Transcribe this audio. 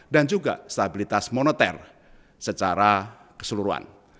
dan juga stabilitas moneter secara keseluruhan